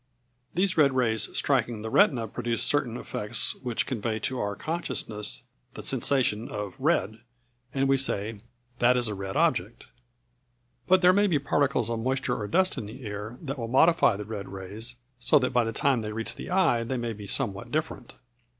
These red rays striking the retina produce certain effects which convey to our consciousness the sensation of red, and we say "That is a red object." But there may be particles of moisture or dust in the air that will modify the red rays so that by the time they reach the eye they may be somewhat different.